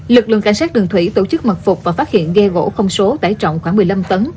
lực lượng cảnh sát đường thủy tổ chức mật phục và phát hiện ghe gỗ không số tải trọng khoảng một mươi năm tấn